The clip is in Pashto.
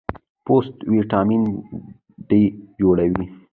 پوست وټامین ډي جوړوي.